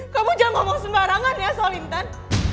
kamu jangan ngomong sembarangan ya soal intan